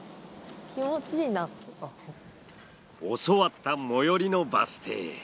教わった最寄りのバス停へ。